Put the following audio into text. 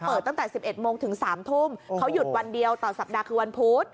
ตั้งแต่๑๑โมงถึง๓ทุ่มเขาหยุดวันเดียวต่อสัปดาห์คือวันพุธ